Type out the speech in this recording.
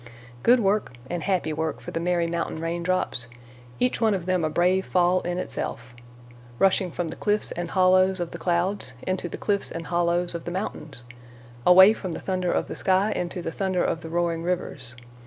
Good work and happy work for the merry mountain raindrops, each one of them a brave fall in itself, rushing from the cliffs and hollows of the clouds into the cliffs and hollows of the mountains; away from the thunder of the sky into the thunder of the roaring rivers.